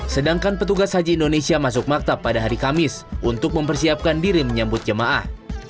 sedangkan petugas haji indonesia masuk maktab pada hari kamis untuk mempersiapkan diri menyambut jemaah